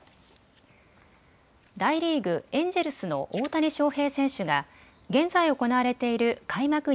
大リーグ、エンジェルスの大谷翔平選手が現在、行われている開幕